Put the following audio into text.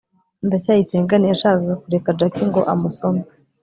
ndacyayisenga ntiyashakaga kureka jaki ngo amusome